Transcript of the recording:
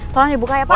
tolong dibuka ya pak